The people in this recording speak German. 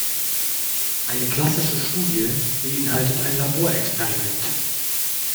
Eine klassische Studie beinhaltet ein Laborexperiment.